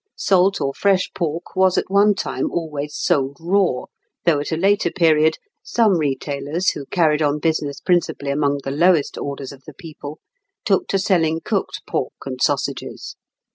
Salt or fresh pork was at one time always sold raw, though at a later period some retailers, who carried on business principally among the lowest orders of the people, took to selling cooked pork and sausages.